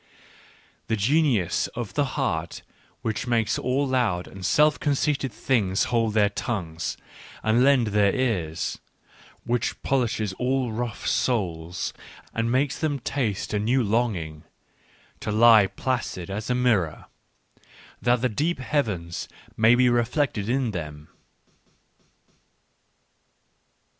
... The genius of the heart, which makes all loud and self conceited things hold their tongues and lend their ears, which polishes all rough souls and makes them taste a new longing — to lie placid as a mirror, that the deep heavens may be reflected in them.